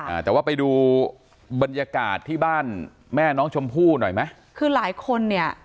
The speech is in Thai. อ่าแต่ว่าไปดูบรรยากาศที่บ้านแม่น้องชมพู่หน่อยไหมคือหลายคนเนี่ย